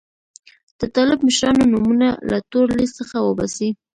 د طالب مشرانو نومونه له تور لیست څخه وباسي.